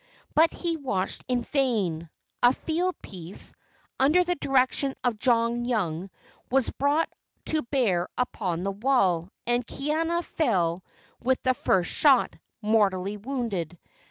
But he watched in vain. A field piece, under the direction of John Young, was brought to bear upon the wall, and Kaiana fell with the first shot, mortally wounded.